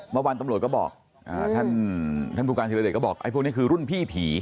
เมื่อวานตำรวจก็บอกท่านผู้การธิรเดชก็บอกไอ้พวกนี้คือรุ่นพี่ผี